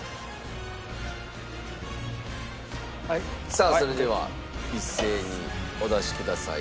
さあそれでは一斉にお出しください。